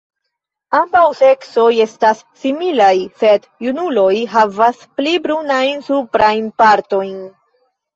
Ambaŭ seksoj estas similaj, sed junuloj havas pli brunajn suprajn partojn.